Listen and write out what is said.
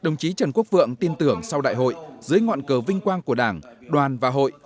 đồng chí trần quốc vượng tin tưởng sau đại hội dưới ngọn cờ vinh quang của đảng đoàn và hội